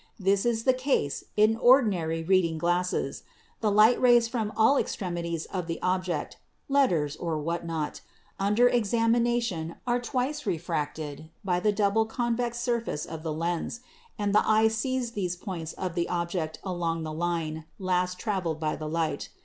This is the case in ordinary reading glasses; the light rays from all extremities of the object (letters or what not) under examination are twice re fracted by the double convex surface of the lens, and the eye sees these points of the object along the line last traveled by the light.